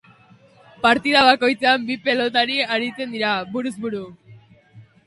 Partida bakoitzean bi pilotari aritzen dira, buruz buru.